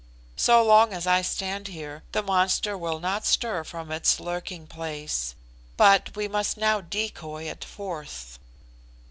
So long as I stand here, the monster will not stir from its lurking place; but we must now decoy it forth."